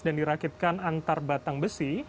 dan dirakitkan antar batang besi